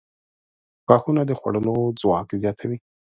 • غاښونه د خوړلو ځواک زیاتوي.